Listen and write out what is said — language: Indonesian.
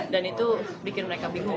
dan itu bikin mereka bingung